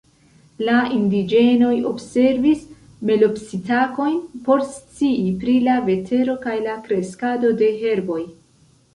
La indiĝenoj observis melopsitakojn por scii pri la vetero kaj la kreskado de herboj.